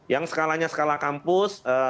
yang skalanya skala kampus